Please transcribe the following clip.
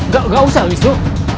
gak usah wisnu